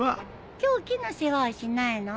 今日木の世話はしないの？